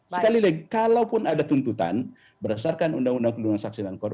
sekali lagi kalaupun ada tuntutan berdasarkan undang undang perlindungan saksi dan korban